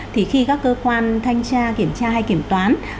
thì khi các cơ quan thanh tra kiểm tra hay kiểm toán